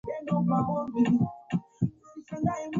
wale watawala wa kijeshi wakihimiza